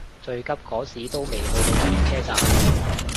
最急嗰時都未去到轉車站